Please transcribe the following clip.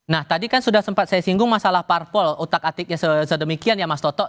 nah tadi kan sudah sempat saya singgung masalah parpol utak atiknya sedemikian ya mas toto